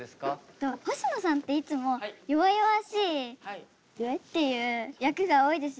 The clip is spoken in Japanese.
ほしのさんっていつも弱々しいっていう役が多いですよね？